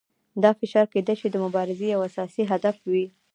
دا فشار کیدای شي د مبارزې یو اساسي هدف وي.